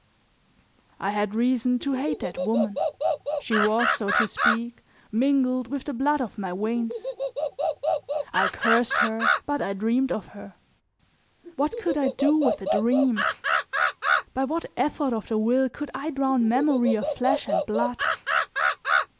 I had reason to hate that woman, she was, so to speak, mingled with the blood of my veins; I cursed her but I dreamed of her. What could I do with a dream? By what effort of the will could I drown memory of flesh and blood?